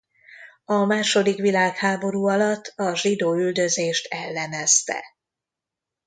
A második világháború alatt a zsidóüldözést ellenezte.